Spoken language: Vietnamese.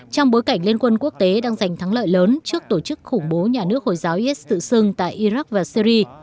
trong bối cảnh liên quân quốc tế đang giành thắng lợi lớn trước tổ chức khủng bố nhà nước hồi giáo is tự xưng tại iraq và syri